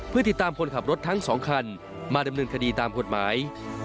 เพื่อติดตามคนขับรถทั้ง๒คันมาดำเนินคดีตามกฎหมาย